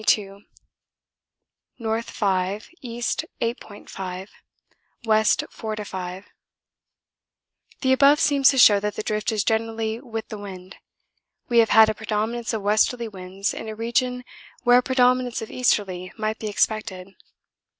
5 West 4 to 5 The above seems to show that the drift is generally with the wind. We have had a predominance of westerly winds in a region where a predominance of easterly might be expected.